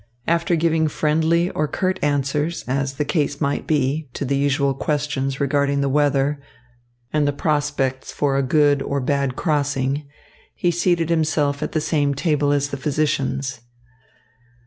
After giving friendly or curt answers, as the case might be, to the usual questions regarding the weather and the prospects for a good or bad crossing, he seated himself at the same table as the physicians.